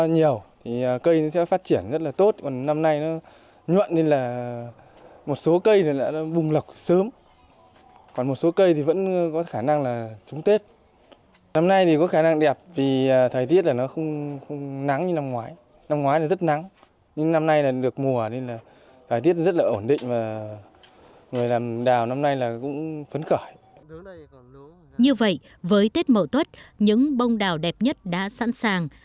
như vậy với tết mậu tuất những bông đào đẹp nhất đã sẵn sàng